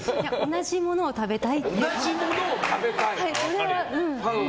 同じものを食べたい。